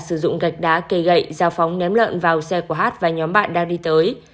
sử dụng gạch đá cây gậy dao phóng ném lợn vào xe của hát và nhóm bạn đang đi tới